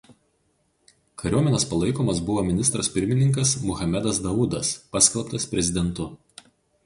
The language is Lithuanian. Kariuomenės palaikomas buvęs ministras pirmininkas Muhamedas Daudas paskelbtas prezidentu.